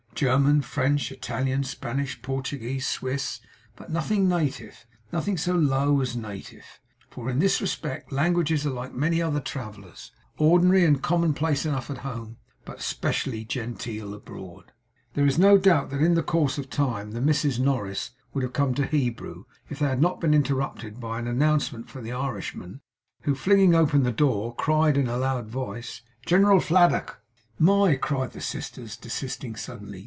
German, French, Italian, Spanish, Portuguese, Swiss; but nothing native; nothing so low as native. For, in this respect, languages are like many other travellers ordinary and commonplace enough at home, but 'specially genteel abroad. There is little doubt that in course of time the Misses Norris would have come to Hebrew, if they had not been interrupted by an announcement from the Irishman, who, flinging open the door, cried in a loud voice 'Jiniral Fladdock!' 'My!' cried the sisters, desisting suddenly.